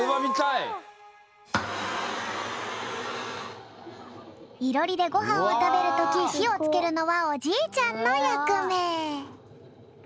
いろりでごはんをたべるときひをつけるのはおじいちゃんのやくめ。